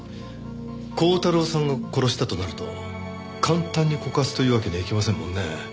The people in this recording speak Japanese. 鋼太郎さんが殺したとなると簡単に告発というわけにはいきませんもんねえ。